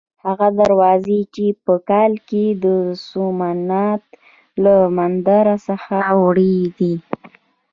هغه دروازې یې په کال کې د سومنات له مندر څخه وړې دي.